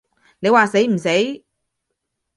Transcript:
你話死唔死？